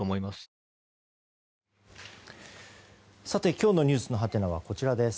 今日のｎｅｗｓのハテナはこちらです。